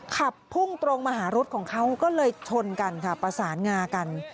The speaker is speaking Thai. ขับพุ่งตรงมาหารถของเขาก็เลยชนกันค่ะประสานงากัน